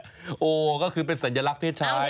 ประหลัดโมก็คือเป็นสัญลักษณ์เพศชาย